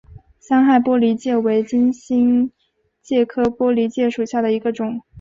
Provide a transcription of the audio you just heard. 三害玻璃介为金星介科玻璃介属下的一个种。